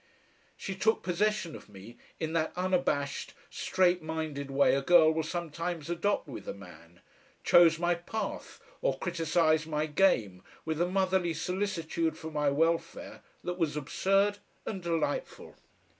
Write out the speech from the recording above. She took possession of me in that unabashed, straight minded way a girl will sometimes adopt with a man, chose my path or criticised my game with a motherly solicitude for my welfare that was absurd and delightful.